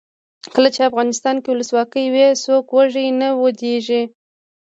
کله چې افغانستان کې ولسواکي وي څوک وږی نه ویدېږي.